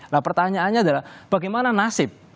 nah pertanyaannya adalah bagaimana nasib